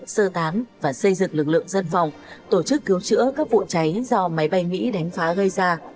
sơ tán và xây dựng lực lượng dân phòng tổ chức cứu chữa các vụ cháy do máy bay mỹ đánh phá gây ra